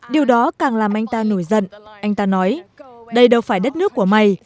điều đó càng làm anh ta nổi giận anh ta nói đây đâu phải đất nước của may